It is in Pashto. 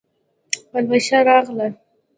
پلوشه راغله